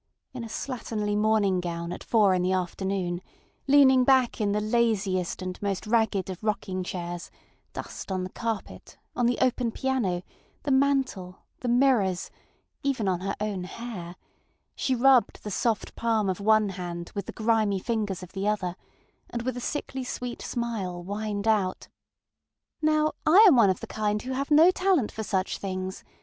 In a slatternly morning gown at four in the afternoon, leaning back in the laziest and most ragged of rocking chairs, dust on the carpet, on the open piano, the mantel, the mirrors, even on her own hair, she rubbed the soft palm of one hand with the grimy fingers of the other, and with a sickly sweet smile whined outŌĆö ŌĆ£Now, I am one of the kind who have no talent for such things!